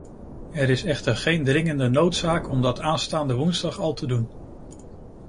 Er is echter geen dringende noodzaak om dat aanstaande woensdag al te doen.